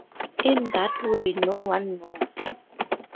In that way, no one knows.